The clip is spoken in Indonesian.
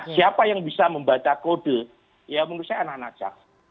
siapa yang bisa membaca kode ya menurut saya anak anak cak